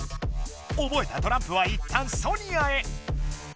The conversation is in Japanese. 覚えたトランプはいったんソニアへ。